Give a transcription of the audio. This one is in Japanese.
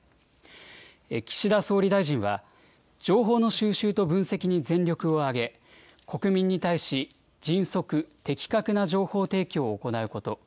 岸田総理大臣は、情報の収集と分析に全力を挙げ、国民に対し、迅速、的確な情報提供を行うこと。